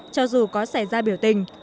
cho dù có xảy ra biểu tình